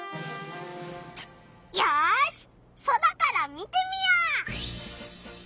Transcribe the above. よし空から見てみよう！